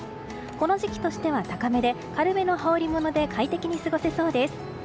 この時期としては高めで軽めの羽織りもので快適に過ごせそうです。